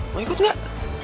mau ikut gak